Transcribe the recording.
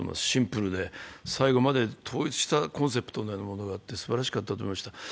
シンプルで最後まで統一したコンセプトのものがあってすばらしかったと思いました。